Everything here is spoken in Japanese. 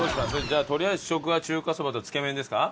じゃあとりあえず試食は中華そばとつけめんですか？